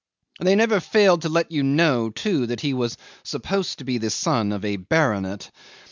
They never failed to let you know, too, that he was supposed to be the son of a baronet.